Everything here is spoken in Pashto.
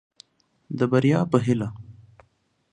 د بريا په هيله.